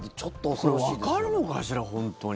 これ、わかるのかしら本当に。